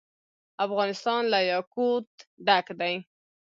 افغانستان له یاقوت ډک دی.